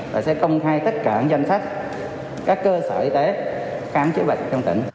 và sẽ công khai tất cả danh sách các cơ sở y tế khám chữa bệnh trong tỉnh